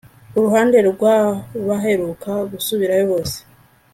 Kuruhande rwabaheruka gusubirayo bose